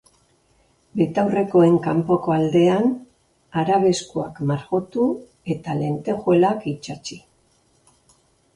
Betaurrekoen kanpoko aldean, arabeskoak margotu eta lentejuelak itsatsi.